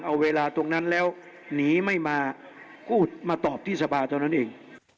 เอาเวลาตรงนั้นแล้วหนีไม่มาพูดมาตอบที่สภาเท่านั้นเอง